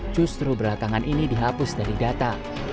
justru belakangan ini dihapus dari data